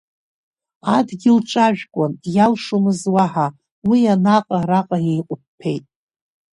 Адгьыл ҿажәкуан, иалшомызт уаҳа, уи анаҟа-араҟа еиҟәыԥԥеит.